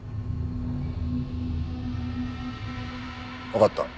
わかった。